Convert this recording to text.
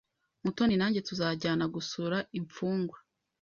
Mutoni nanjye tuzajyana gusura imfungwa.